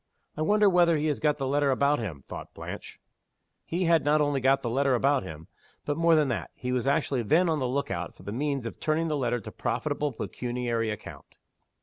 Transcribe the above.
"I wonder whether he has got the letter about him?" thought Blanche. He had not only got the letter about him but, more than that, he was actually then on the look out for the means of turning the letter to profitable pecuniary account.